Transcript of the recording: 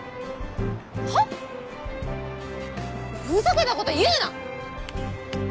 はっ⁉ふざけたこと言うな！